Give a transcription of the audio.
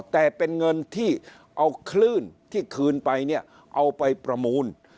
แต่เป็นเงินที่เอาคลื่นที่คืนไปเนี่ยเอาไปประมูล